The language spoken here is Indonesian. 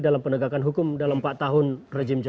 dalam penegakan hukum dalam empat tahun rejim